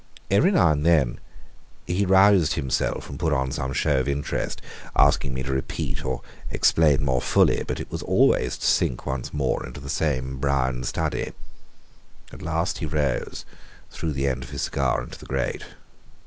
Every now and then he roused himself and put on some show of interest, asking me to repeat or to explain more fully, but it was always to sink once more into the same brown study. At last he rose and threw the end of his cigar into the grate.